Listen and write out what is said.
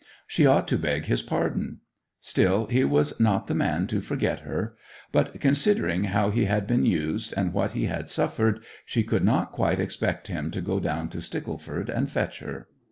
She ought to beg his pardon. Still, he was not the man to forget her. But considering how he had been used, and what he had suffered, she could not quite expect him to go down to Stickleford and fetch her.